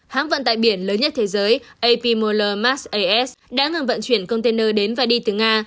hãng vận tại biển lớn nhất thế giới ap moller max as đã ngừng vận chuyển container đến và đi từ nga